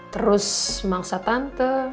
terus mangsa tante